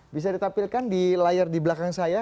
bisa ditampilkan di layar di belakang saya